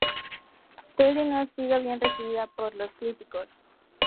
Terri no ha sido bien recibida por los críticos.